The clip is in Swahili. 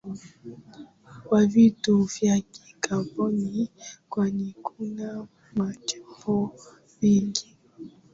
wa vitu vya kikaboni kwani kuna mashapo mengi